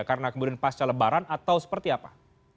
karena kemudian pasca lebaran atau seperti apa